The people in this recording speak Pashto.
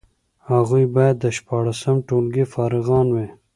هغوی باید د شپاړسم ټولګي فارغان وي.